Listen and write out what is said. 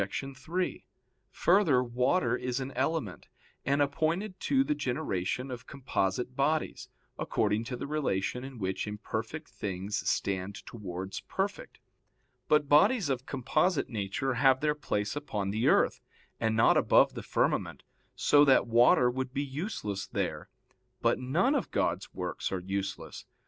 3: Further, water is an element, and appointed to the generation of composite bodies, according to the relation in which imperfect things stand towards perfect. But bodies of composite nature have their place upon the earth, and not above the firmament, so that water would be useless there. But none of God's works are useless.